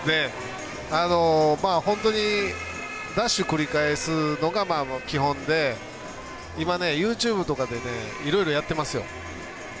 本当にダッシュを繰り返すのが基本で、今ユーチューブとかでいろいろやってますよ。